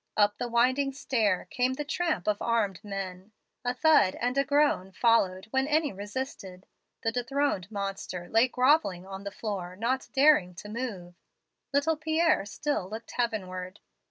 "Up the winding stair came the tramp of armed men. A thud and a groan followed when any resisted. The dethroned monster lay grovelling on the floor, not daring to move. "Little Pierre still looked heavenward.